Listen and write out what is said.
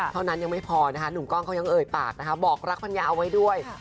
เท่านั้นยังไม่พอนะคะหนุ่มกล้องเขายังเอ่ยปากนะคะบอกรักภรรยาเอาไว้ด้วย